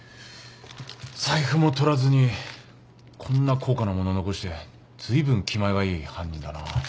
財布もとらずにこんな高価な物残してずいぶん気前がいい犯人だな。